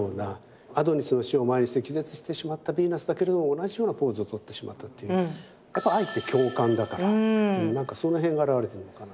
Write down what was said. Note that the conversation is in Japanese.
アドニスの死を前にして気絶してしまったヴィーナスだけれども同じようなポーズをとってしまったっていうやっぱり愛って共感だからなんかその辺が表れてるのかな。